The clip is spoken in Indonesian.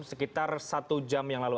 sekitar satu jam yang lalu